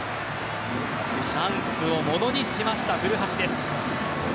チャンスをものにしました古橋です。